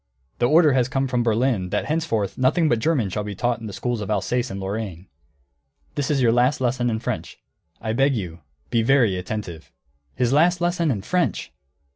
The order has come from Berlin that henceforth nothing but German shall be taught in the schools of Alsace and Lorraine. This is your last lesson in French. I beg you, be very attentive." _His last lesson in French!